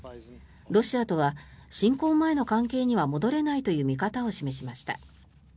ロシアとは侵攻前の関係には戻れないという見方を示しました。